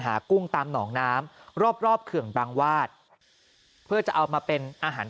กุ้งตามหนองน้ำรอบรอบเขื่อนบางวาดเพื่อจะเอามาเป็นอาหาร